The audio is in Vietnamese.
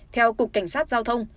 theo cục cảnh sát giao thông